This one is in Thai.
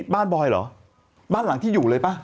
บอยเหรอบ้านหลังที่อยู่เลยป่ะ